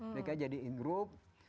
mereka jadi in group